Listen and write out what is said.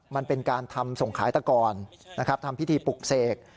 มันเป็นการทำส่งขายตะกรนะครับทำพิธีปลุกเสก